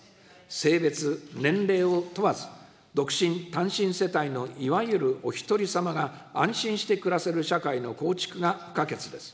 性別、年齢を問わず、独身、単身世帯のいわゆるおひとりさまが安心して暮らせる社会の構築が不可欠です。